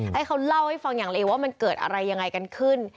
ให้เขาเล่าให้ฟังอย่างเลยว่ามันเกิดอะไรยังไงกันขึ้น